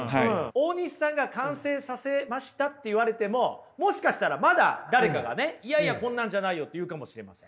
大西さんが完成させましたって言われてももしかしたらまだ誰かがねいやいやこんなんじゃないよって言うかもしれません。